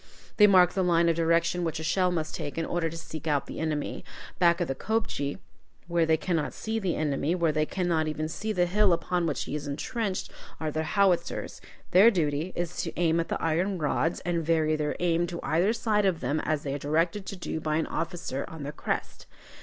They mark the line of direction which a shell must take, in order to seek out the enemy. Back of the kopje, where they cannot see the enemy, where they cannot even see the hill upon which he is intrenched, are the howitzers. Their duty is to aim at the iron rods, and vary their aim to either side of them as they are directed to do by an officer on the crest.